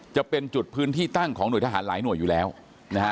จะเป็นจุดพื้นที่ตั้งของหน่วยทหารหลายหน่วยอยู่แล้วนะฮะ